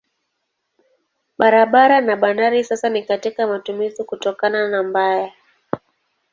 Barabara na bandari sasa si katika matumizi kutokana na mbaya.